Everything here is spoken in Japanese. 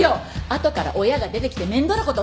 後から親が出てきて面倒なことになるわよ。